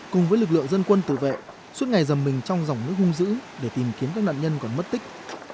cùng với lực lượng dân quân tự vệ suốt ngày dầm mình trong dòng nước hung dữ để tìm kiếm các nạn nhân còn mất tích